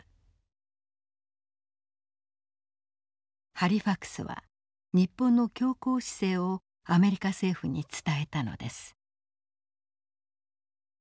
ハリファクスは日本の強硬姿勢をアメリカ政府に伝えたのです。